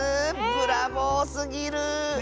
ブラボーすぎる！